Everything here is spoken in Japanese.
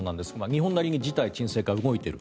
日本なりに事態の鎮静化に動いている。